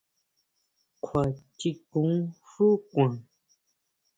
¿Kjuachikun xu kuan?